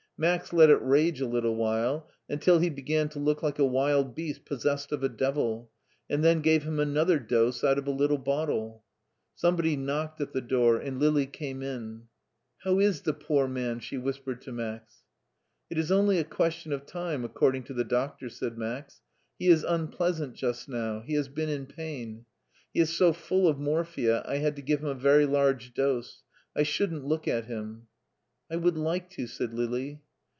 Max let it rage a little while until he began to look like a wild beast possessed of a devil, and then gave him another dose out of a little bottle. Somebody knocked at the door, and Lili came in. How is the poor man ?*' she whispered to Max. It is only a question of time, according to the doctor," said Max, *' He is unpleasant just now ; he has been in pain. He is so full of morphia, I had to give him a very large dose. I shouldn't look at him. I would like to," said Lili.